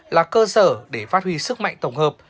là cơ sở để phát huy sức mạnh tổng hợp